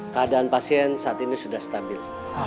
keadaan pasien saat ini sudah stabil